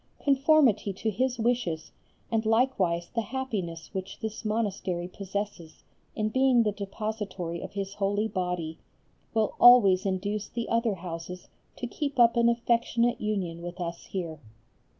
Conformity to his wishes, and likewise the happiness which this monastery possesses in being the depository of his holy body, will always induce the other houses to keep up an affectionate union with us here.